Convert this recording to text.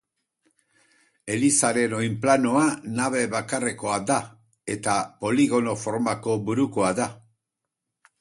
Elizaren oinplanoa nabe bakarrekoa da eta poligono formako burukoa da.